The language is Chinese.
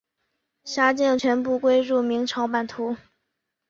辖境全部归入明朝版图。